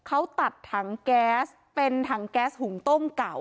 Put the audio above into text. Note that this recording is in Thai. เขาตัดถังแก๊สเป็นถังแก๊สหุงต้มเก่า